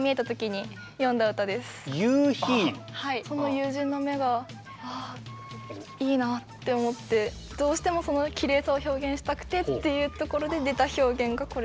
その友人の目が「ああいいな」って思ってどうしてもそのきれいさを表現したくてっていうところで出た表現がこれです。